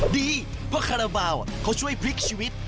ดีเพราะคาราบาลเขาช่วยพลิกชีวิต